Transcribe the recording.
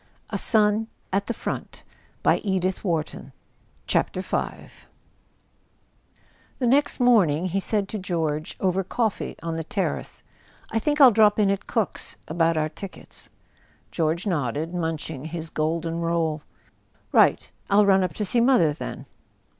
A SON AT THE FRONT V T HE next morning he said to George, over coffee on the terrace: "I think I'll drop in at Cook's about our tickets." George nodded, munching his golden roll. "Right. I'll run up to see mother, then."